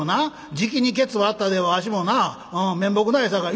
じきにケツ割ったではわしもな面目ないさかい」。